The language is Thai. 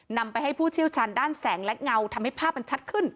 นำไปให้ผู้เชี่ยวชาญด้านแสงและเงาทำให้ภาพมันชัดขึ้น